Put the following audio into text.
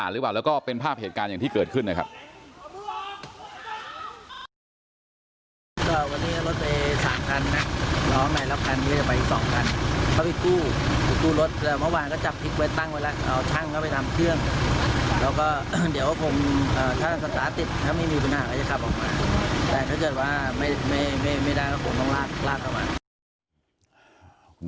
เมื่อวานก็จับพลิกไว้ตั้งไว้แล้ว